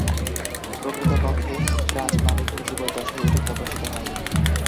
প্রকৃতপক্ষে রাচমানিফের জীবদ্দশায় এটি প্রকাশিত হয়নি।